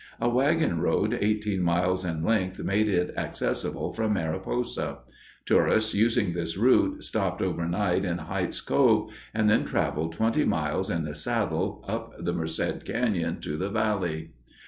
A wagon road eighteen miles in length made it accessible from Mariposa. Tourists using this route stopped overnight in Hite's Cove and then traveled twenty miles in the saddle up the Merced Canyon to the valley.